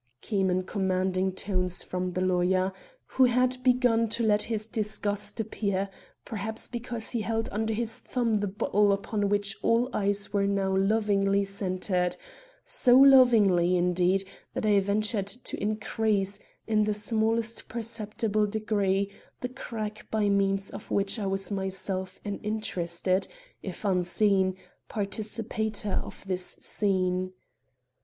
came in commanding tones from the lawyer, who had begun to let his disgust appear, perhaps because he held under his thumb the bottle upon which all eyes were now lovingly centered; so lovingly, indeed, that I ventured to increase, in the smallest perceptible degree, the crack by means of which I was myself an interested, if unseen, participator in this scene.